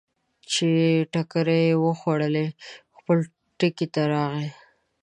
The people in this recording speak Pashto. چې ټکرې یې وخوړلې، خپل ټکي ته راغی.